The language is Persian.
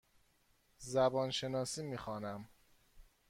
زبان شناسی می خوانم.